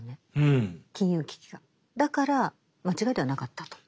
だから間違いではなかったと。